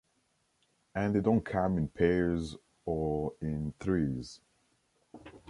and they don’t come in pairs or in threes